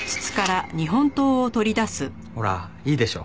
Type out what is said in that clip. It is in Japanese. ほらいいでしょ？